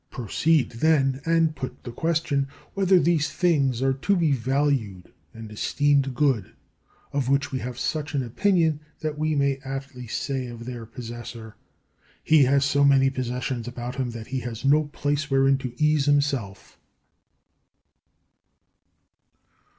Proceed then, and put the question whether these things are to be valued and esteemed good of which we have such an opinion that we may aptly say of their possessor: "He has so many possessions about him that he has no place wherein to ease himself."